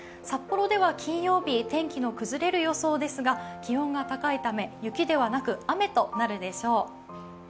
札幌では金曜日、天気の崩れる予想ですが気温が高いため、雪ではなく雨となるでしょう。